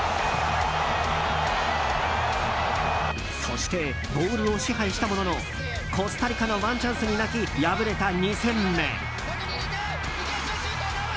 そしてボールを支配したもののコスタリカのワンチャンスに泣き敗れた２戦目。